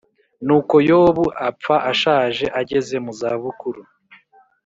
nuko yobu apfa ashaje ageze mu zabukuru